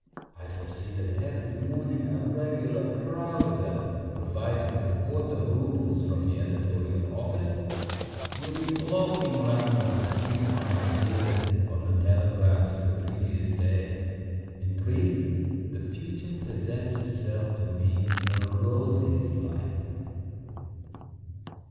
I foresee that every morning a regular crowd of them, provided with quarter roubles from the editorial office, will be flocking round me to seize my ideas on the telegrams of the previous day. In brief, the future presents itself to me in the rosiest light."